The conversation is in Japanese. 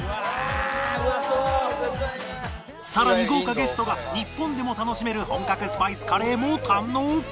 さらに豪華ゲストが日本でも楽しめる本格スパイスカレーも堪能！